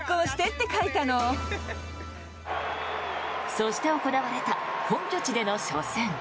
そして行われた本拠地での初戦。